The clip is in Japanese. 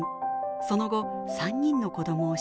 その後３人の子どもを出産。